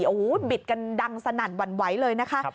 โอ้โหบิดกันดังสนั่นหวั่นไหวเลยนะคะ